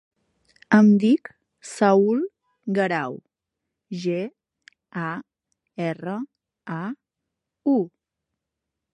Em dic Saül Garau: ge, a, erra, a, u.